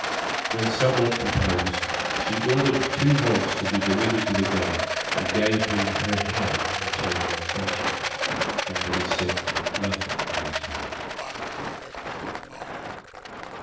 When somewhat composed, she ordered the two hogs to be delivered to the gunner, and gave him her hand in token of friendship, but would accept nothing in return.